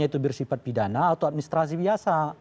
yaitu bersifat pidana atau administrasi biasa